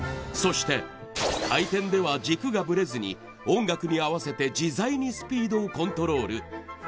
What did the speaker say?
そして回転では軸がブレずに音楽に合わせて自在にスピードをコントロール。